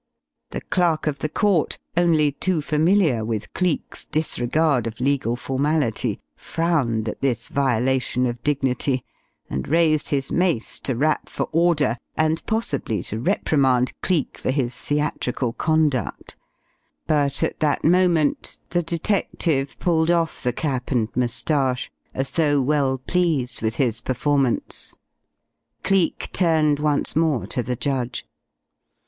The clerk of the court, only too familiar with Cleek's disregard of legal formality, frowned at this violation of dignity and raised his mace to rap for order and possibly to reprimand Cleek for his theatrical conduct but at that moment the detective pulled off the cap and moustache as though well pleased with his performance. Cleek turned once more to the judge.